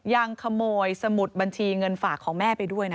ยังขโมยสมุดบัญชีเงินฝากของแม่ไปด้วยนะ